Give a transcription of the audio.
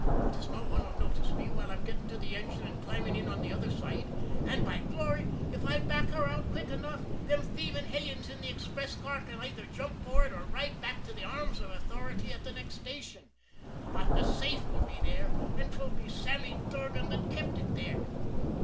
'Tis no one 'll notice me while I'm getting to the engine and climbing in on the other side, and, by glory, if I back her out quick enough them thieving hellions in the express car can either jump for it or ride back to the arms of authority at the next station but the safe 'll be there, and 'twill be Sammy Durgan that kept it there!"